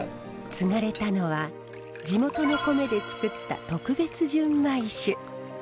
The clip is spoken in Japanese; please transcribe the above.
つがれたのは地元の米でつくった特別純米酒。